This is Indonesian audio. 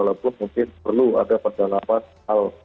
walaupun mungkin perlu ada pendapat soal